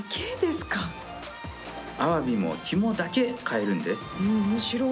アワビも肝だけ買えるんです。